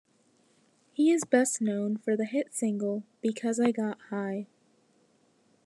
He is best known for the hit single "Because I Got High".